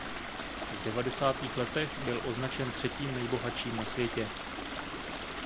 V devadesátých letech byl označen třetím nejbohatším na světě.